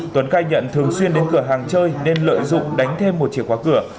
tuấn khai nhận thường xuyên đến cửa hàng chơi nên lợi dụng đánh thêm một chìa khóa cửa